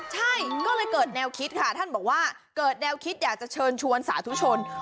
ใช่ก็เลยเกิดแนวคิดค่ะท่านบอกว่าเกิดแนวคิดอยากจะเชิญชวนสาธุชน